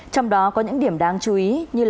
trong đó có những điểm đáng chú ý như